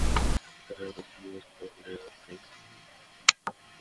তবে প্রায় তিন বছর পেরিয়ে গেলেও শিক্ষা কার্যক্রম সেভাবে শুরু হয়নি।